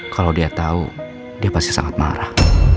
kalau dia tahu dia pasti sangat marah